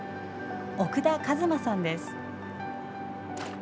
奥田一眞さんです。